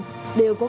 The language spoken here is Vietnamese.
đều được phê chuẩn